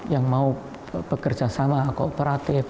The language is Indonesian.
yang mau bekerja sama kooperatif